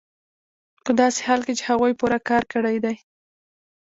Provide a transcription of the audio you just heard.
په داسې حال کې چې هغوی پوره کار کړی دی